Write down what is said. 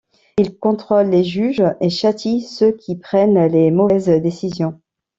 Il contrôle les juges et châtie ceux qui prennent les mauvaises décisions.